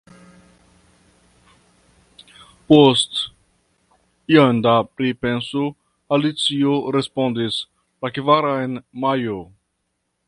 Post iom da pripenso Alicio respondis: la kvaran Majo.